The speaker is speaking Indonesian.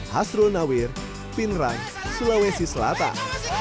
hai ruler rencananya akan kembali menerbangkan pesawat rakitannya pada minggu pekan ini